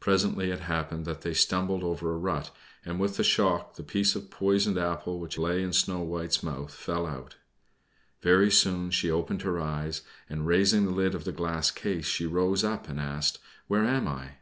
Presently it happened that they stumbled over a rut, and with the shock the piece of poisoned apple which lay in Snow White's mouth fell out. Very soon she opened her eyes, and raising the lid of the glass case, she rose up and asked, "Where am I?"